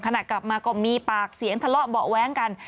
ขณะกลับมาก็มีปากเสียงทะเลาะเบาะแว้งกัน